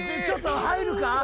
ちょっと入るか？